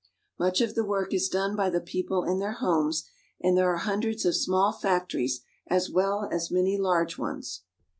Much of the work is done by the people in their homes, and there are hundreds of small factories, as well as many large ones.